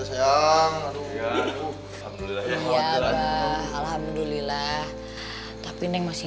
seharusnya kita digantungin